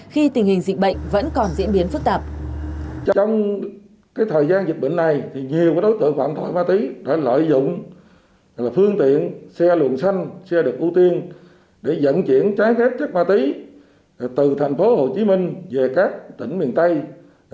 khi tình hình dịch bệnh vẫn còn diễn biến phức tạp